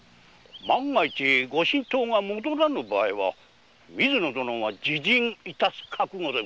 万が一御神刀が戻らぬ場合は水野殿は自刃致す覚悟でございましょう。